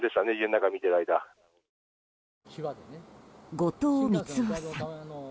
後藤光雄さん。